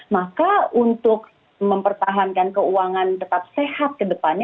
maka untuk mempertahankan keuangan tetap sehat ke depannya